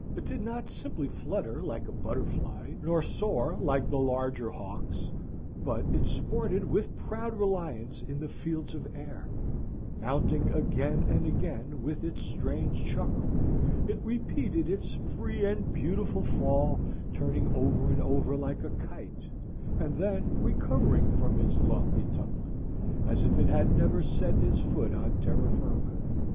It did not simply flutter like a butterfly, nor soar like the larger hawks, but it sported with proud reliance in the fields of air; mounting again and again with its strange chuckle, it repeated its free and beautiful fall, turning over and over like a kite, and then recovering from its lofty tumbling, as if it had never set its foot on terra firma.